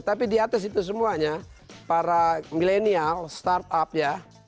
tapi di atas itu semuanya para milenial startup ya